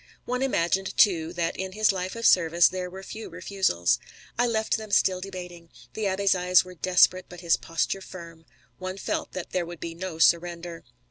One imagined, too, that in his life of service there were few refusals. I left them still debating. The abbé's eyes were desperate but his posture firm. One felt that there would be no surrender.